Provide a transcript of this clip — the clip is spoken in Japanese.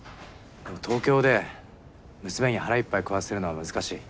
でも東京で娘に腹いっぱい食わせるのは難しい。